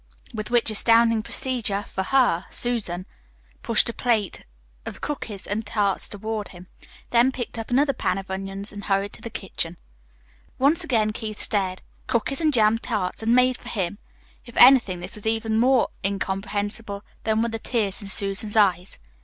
With which astounding procedure for her Susan pushed a plate of cookies and tarts toward him, then picked up her pan of onions and hurried into the kitchen. Once again Keith stared. Cookies and jam tarts, and made for him? If anything, this was even more incomprehensible than were the tears in Susan's eyes.